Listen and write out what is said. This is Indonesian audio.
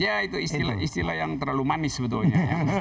ya itu istilah istilah yang terlalu manis sebetulnya ya